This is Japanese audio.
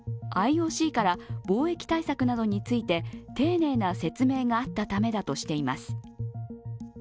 ＩＯＣから防疫対策などについて丁寧な説明があったためだとしています。